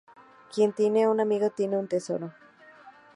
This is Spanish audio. Quien tiene un amigo tiene un tesoro